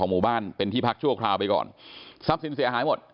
หมู่บ้านเป็นที่พักชั่วคราวไปก่อนทรัพย์สินเสียหายหมด